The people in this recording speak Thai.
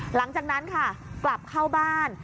หลังจากนั้นค่ะกลับเข้าบ้าน